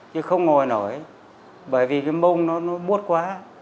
chứ không ngồi nổi bởi vì cái bông nó buốt quá